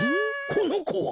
このこは。